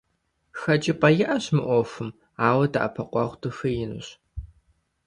Хэкӏыпӏэ иӏэщ мы ӏуэхум, ауэ дэӏэпыкъуэгъу дыхуеинущ.